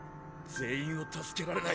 全員を助けられない。